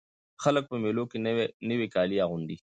خلک په مېلو کښي نوي کالي اغوندي.